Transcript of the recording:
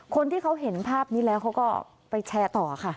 คนที่เขาเห็นภาพนี้แล้วเขาก็ไปแชร์ต่อค่ะ